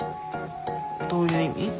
どういう意味？